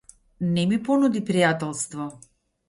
Не ми понуди пријателство.